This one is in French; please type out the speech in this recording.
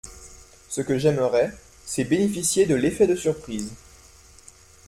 Ce que j’aimerais, c’est bénéficier de l’effet de surprise.